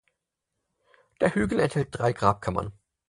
Der Hügel enthält drei Grabkammern.